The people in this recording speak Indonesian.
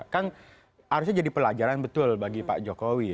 kan harusnya jadi pelajaran betul bagi pak jokowi